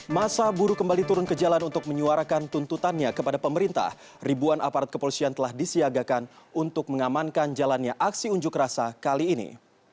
masa buruh kembali turun ke jalan untuk menyuarakan tuntutannya kepada pemerintah ribuan aparat kepolisian telah disiagakan untuk mengamankan jalannya aksi unjuk rasa kali ini